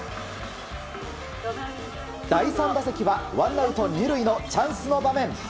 第３打席はワンアウト２塁のチャンスの場面。